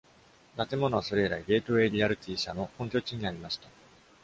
建物はそれ以来、ゲイトウェイ・リアルティ社の本拠地になりました。